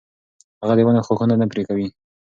هغه د ونو ښاخونه نه پرې کوي.